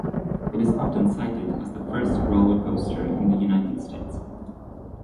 It is often cited as the first roller coaster in the United States.